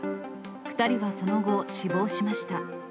２人はその後、死亡しました。